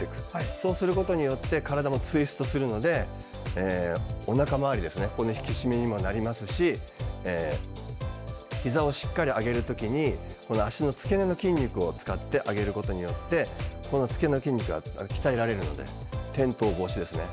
そうすることによって体もツイストするのでおなか周りの引き締めにもなりますしひざをしっかり上げる時に脚の付け根の筋肉を使って上げることによって付け根の筋肉が鍛えられるので転倒防止ですね。